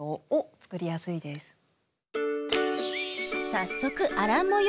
早速アラン模様